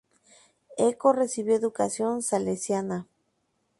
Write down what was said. Eco recibió educación salesiana.